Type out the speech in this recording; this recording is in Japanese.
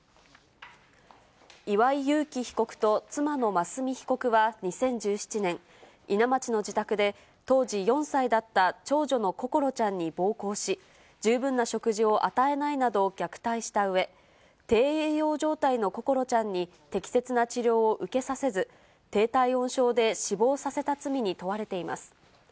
岩井悠樹被告と妻の真純被告は２０１７年、伊奈町の自宅で、当時４歳だった長女の心ちゃんに暴行し、十分な食事を与えないなど、虐待したうえ、低栄養状態の心ちゃんに適切な治療を受けさせず、低体温症で死亡させた罪に問われています。